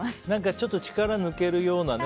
ちょっと力が抜けるようなね。